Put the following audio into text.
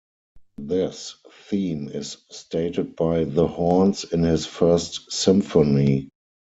This theme is stated by the horns in his first symphony.